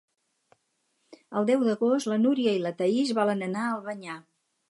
El deu d'agost na Núria i na Thaís volen anar a Albanyà.